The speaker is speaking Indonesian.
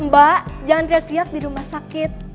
mbak jangan teriak teriak dirumah sakit